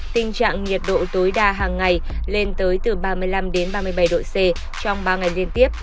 tình trạng nhiệt độ tối đa hàng ngày lên tới từ ba mươi năm ba mươi bảy độ c trong ba ngày liên tiếp